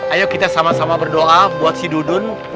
ayo kita sama sama berdoa buat si dudun